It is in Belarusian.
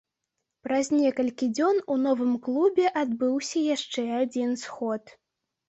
Праз некалькі дзён у новым клубе адбыўся яшчэ адзін сход.